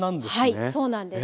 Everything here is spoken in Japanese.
はいそうなんです。